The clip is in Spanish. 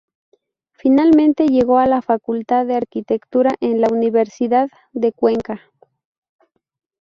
Finalmente llegó a la Facultad de Arquitectura de la Universidad de Cuenca.